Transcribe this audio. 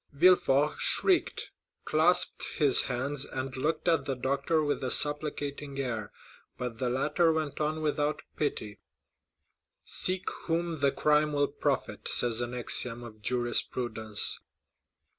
40120m Villefort shrieked, clasped his hands, and looked at the doctor with a supplicating air. But the latter went on without pity: "'Seek whom the crime will profit,' says an axiom of jurisprudence."